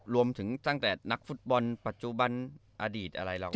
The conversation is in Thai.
รวมถึงตั้งแต่นักฟุตบอลปัจจุบันอดีตอะไรเรา